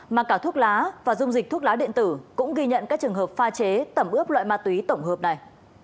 mà cả thuốc lá và dung dịch thuốc lá điện tử cũng ghi nhận các trường hợp pha chế tẩm ướp loại ma túy tổng hợp này